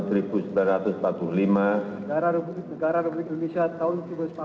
negara republik negara republik indonesia tahun seribu sembilan ratus empat puluh lima